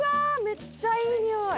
めっちゃいいにおい！